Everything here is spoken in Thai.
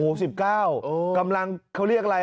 โอ้โห๑๙กำลังเขาเรียกอะไร